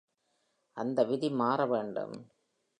அந்த விதி மாறவேண்டும்.